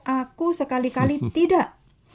aku sekali kali tidak